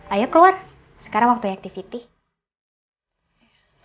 ayo keluar sekarang waktunya aktivitas